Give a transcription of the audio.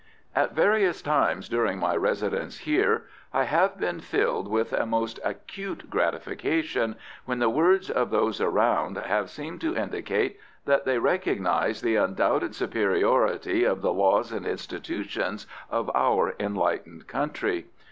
At various times during my residence here I have been filled with a most acute gratification when the words of those around have seemed to indicate that they recognised the undoubted superiority of the laws and institutions of our enlightened country.